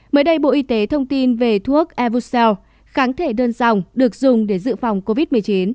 mới đây bộ y tế thông tin về thuốc evosel kháng thể đơn dòng được dùng để dự phòng covid một mươi chín